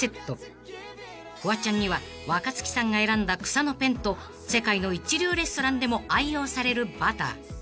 ［フワちゃんには若槻さんが選んだ草のペンと世界の一流レストランでも愛用されるバター］